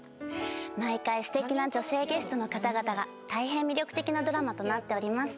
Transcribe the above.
毎回素敵な女性ゲストの方々が大変魅力的なドラマとなっております